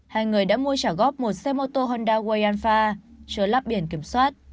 hai người đã mua trả góp một xe mô tô honda wayanfa chứa lắp biển kiểm soát